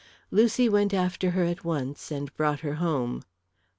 Lucy went after her at once and brought her home."